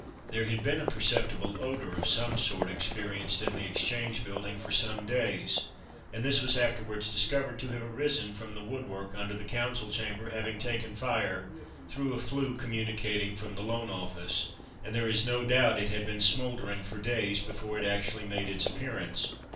There had been a perceptible odour of some sort experienced in the Exchange building for some days, and this was afterwards discovered to have arisen from the woodwork under the council chamber having taken fire through a flue communicating from the Loan office; and there is no doubt it had been smouldering for days before it actually made its appearance.